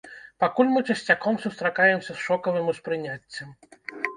Пакуль мы часцяком сустракаемся з шокавым успрыняццем.